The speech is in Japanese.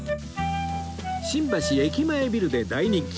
新橋駅前ビルで大人気